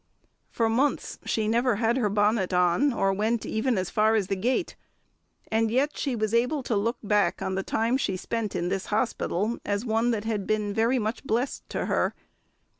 For months she never had her bonnet on, or went even as far as the gate; and yet she was able to look back on the time she spent in this hospital as one that had been very much blessed to her.